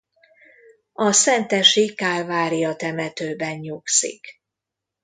A szentesi Kálvária temetőben nyugszik.